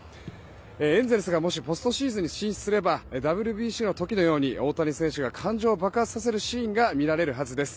エンゼルスがもしポストシーズンに進出すればＷＢＣの時のように大谷選手が感情を爆発させるシーンが見られるはずです。